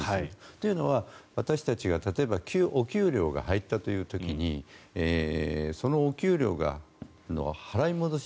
というのは、私たちが例えばお給料が入ったという時にそのお給料の払い戻し。